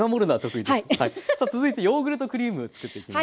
さあ続いてヨーグルトクリームつくっていきます。